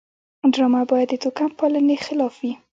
ډرامه باید د توکم پالنې خلاف وي